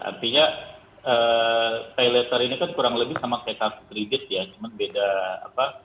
artinya paylater ini kan kurang lebih sama seperti kartu kredit ya cuman beda apa